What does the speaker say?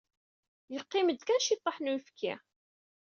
Yeqqim-d kan ciṭṭaḥ n uyefki.